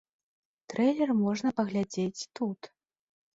Трэйлер можна паглядзець тут.